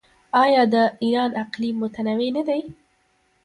آیا د ایران اقلیم متنوع نه دی؟